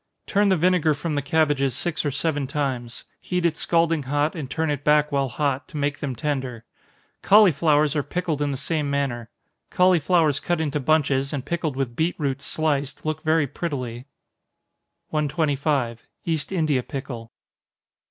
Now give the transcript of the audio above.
Turn the vinegar from the cabbages six or seven times heat it scalding hot, and turn it back while hot, to make them tender. Cauliflowers are pickled in the same manner. Cauliflowers cut into bunches, and pickled with beet roots sliced, look very prettily. 125. _East India Pickle.